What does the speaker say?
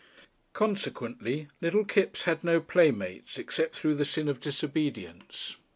Consequently little Kipps had no playmates, except through the sin of disobedience.